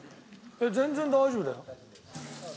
全然大丈夫だよ。